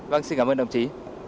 vâng xin cảm ơn đồng chí